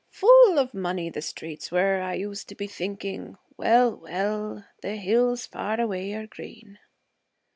Full of money the streets were, I used to be thinking. Well, well; the hills far away are green.'